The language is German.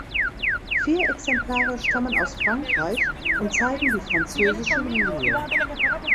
Vier Exemplare stammen aus Frankreich und zeigen die französische Lilie.